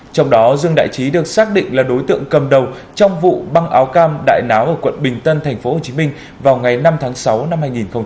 trong đó dương đại trí được xác định là đối tượng cầm đầu trong vụ băng áo cam đại náo ở quận bình tân tp hcm vào ngày năm tháng sáu năm hai nghìn hai mươi